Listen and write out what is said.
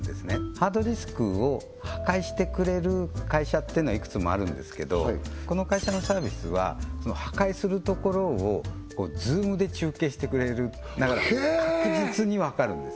ハードディスクを破壊してくれる会社っていうのはいくつもあるんですけどこの会社のサービスは破壊するところをＺｏｏｍで中継してくれるだから確実にわかるんです